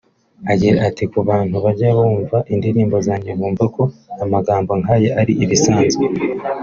Agira ati “Ku bantu bajya bumva indirimbo zanjye bumva ko amagambo nk’aya ari ibisanzwe